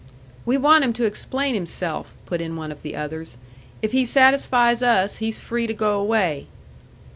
"We want him to explain himself," put in one of the others. "If he satisfies us, he's free to go away."